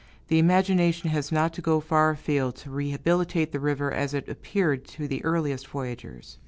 The imagination has not to go far afield, to rehabilitate the river as it appeared to the earliest voyagers.